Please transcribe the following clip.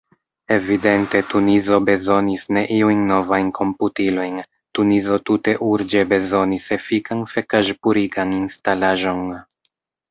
Evidente Tunizo bezonis ne iujn novajn komputilojn, Tunizo tute urĝe bezonis efikan fekaĵpurigan instalaĵon.